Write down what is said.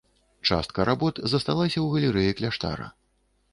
Частка работ засталася ў галерэі кляштара.